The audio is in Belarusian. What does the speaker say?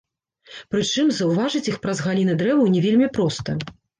Прычым, заўважыць іх праз галіны дрэваў не вельмі проста.